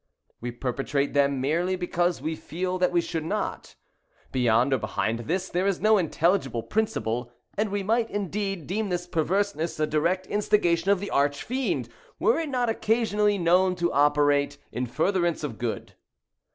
We perpetrate them because we feel that we should not. Beyond or behind this there is no intelligible principle; and we might, indeed, deem this perverseness a direct instigation of the Arch Fiend, were it not occasionally known to operate in furtherance of good.